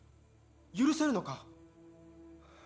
許せるのか？